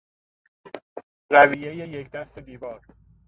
رویهی یکدست دیوار